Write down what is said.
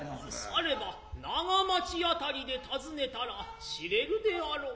されば長町辺で尋ねたら知れるであろう。